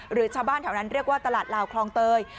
หรือชาวบ้านแถวนั้นเรียกว่าตลาดลาวคลองเตย